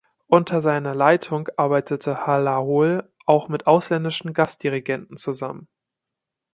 Unter seiner Leitung arbeitete Hlahol auch mit ausländischen Gastdirigenten zusammen.